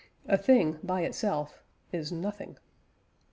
A thing "by itself" is nothing.